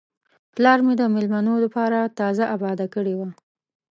پلار مې د میلمنو لپاره تازه آباده کړې وه.